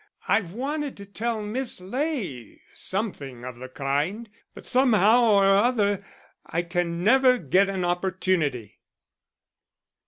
I've wanted to tell Miss Ley something of the kind; but somehow or other I can never get an opportunity."